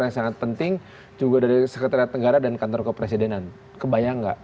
yang sangat penting juga dari sekretariat negara dan kantor kepresidenan kebayang nggak